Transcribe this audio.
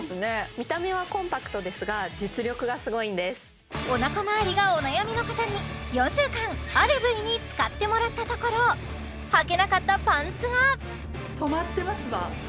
見た目はコンパクトですが実力がすごいんですおなかまわりがお悩みの方に４週間ある部位に使ってもらったところはけなかったパンツがうわあすごいすごい！